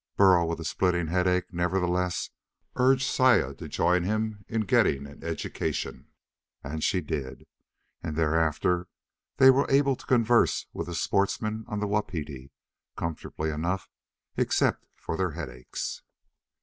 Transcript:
Burl, with a splitting headache, nevertheless urged Saya to join him in getting an education. And she did. And thereafter they were able to converse with the sportsmen on the Wapiti comfortably enough, except for their headaches.